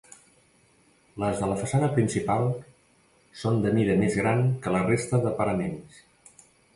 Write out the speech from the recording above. Les de la façana principal són de mida més gran que la resta de paraments.